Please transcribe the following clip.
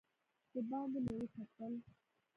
دباندې مې وکتل.